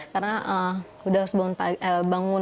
karena udah harus bangun